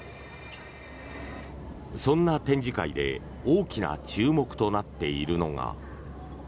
そんな展示会で大きな注目となっているのが。